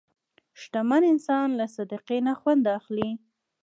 شتمن انسان له صدقې نه خوند اخلي.